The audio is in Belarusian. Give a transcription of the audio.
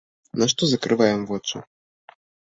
На што закрываем вочы?